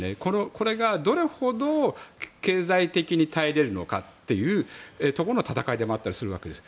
これが、どれほど経済的に耐えられるのかというところの戦いでもあったりするんです。